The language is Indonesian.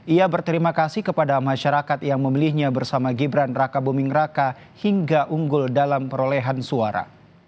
ia berterima kasih kepada masyarakat yang memilihnya bersama gibran raka buming raka hingga unggul dalam perolehan suara